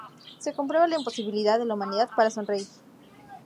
Se comprueba la imposibilidad de la humanidad para sonreír.